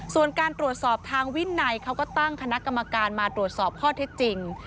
ส่วนการตรวจสอบทางวินัยเขาก็ตั้งคณะกรรมการมาตรวจสอบข้อเท็จจริง